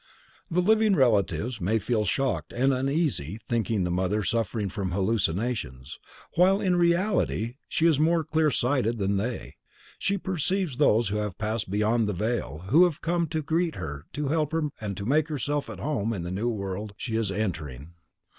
The living relatives may feel shocked and uneasy, thinking the mother suffering from hallucinations, while in reality she is more clear sighted than they; she perceives those who have passed beyond the veil who have come to greet and help her to make herself at home in the new world she is entering.